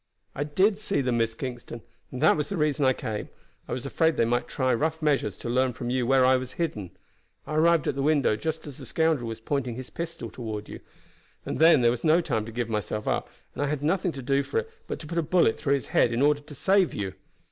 "I did see them, Miss Kingston, and that was the reason I came. I was afraid they might try rough measures to learn from you where I was hidden. I arrived at the window just as the scoundrel was pointing his pistol toward you, and then there was no time to give myself up, and I had nothing to do for it but to put a bullet through his head in order to save you.